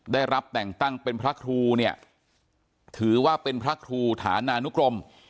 ได้รับแต่งตั้งเป็นพระครูเนี่ยถือว่าเป็นพระครูฐานานุกรม